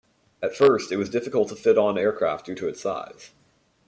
At first it was difficult to fit on aircraft due to its size.